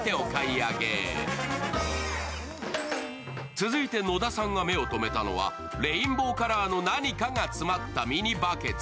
続いて、野田さんが目をとめたのはレインボーカラーの何かが詰まったミニバケツ。